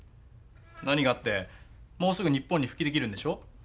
何がってもうすぐ日本に復帰できるんでしょう？